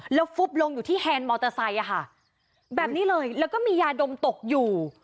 แล้วฟุบลงอยู่ที่แฮนด์มอเตอร์ไซค์แบบนี้เลยแล้วก็มียาดมตกอยู่